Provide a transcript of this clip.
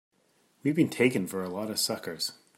We've been taken for a lot of suckers!